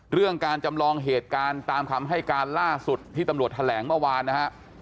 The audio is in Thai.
เรื่องการจำลองเหตุการณ์ตามคำให้การล่าสุดที่ตำรวจแถลงเมื่อวานนะฮะ